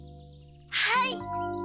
はい。